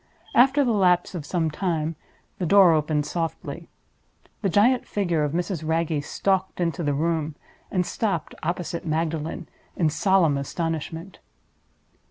After the lapse of some time, the door opened softly. The giant figure of Mrs. Wragge stalked into the room, and stopped opposite Magdalen in solemn astonishment.